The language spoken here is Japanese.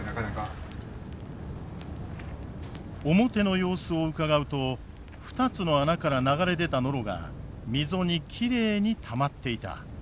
表の様子をうかがうと２つの穴から流れ出たノロが溝にきれいにたまっていた。